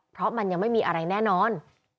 เพราะมันยังไม่มีอะไรแน่นอน